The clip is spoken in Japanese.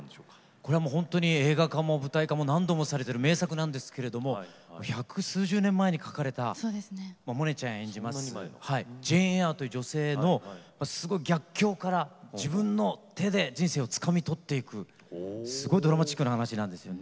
これはもう本当に映画化も舞台化も何度もされてる名作なんですけれども百数十年前に書かれた萌音ちゃん演じますジェーン・エアという女性のすごい逆境から自分の手で人生をつかみ取っていくすごいドラマチックな話なんですよね。